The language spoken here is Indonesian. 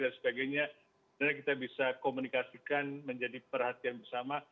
dan sebagainya dan kita bisa komunikasikan menjadi perhatian bersama